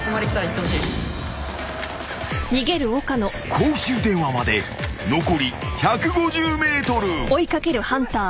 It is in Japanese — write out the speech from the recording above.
［公衆電話まで残り１５０ｍ］